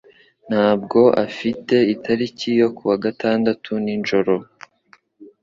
ntabwo afite itariki yo kuwa gatandatu nijoro.